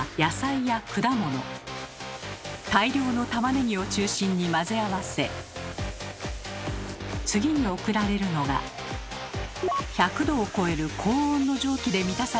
大量のたまねぎを中心に混ぜ合わせ次に送られるのが１００℃を超える高温の蒸気で満たされたタンク。